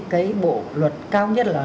cái bộ luật cao nhất là